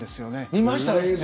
見ました。